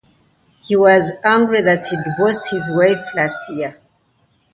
He was angry that he divorced his wife last year.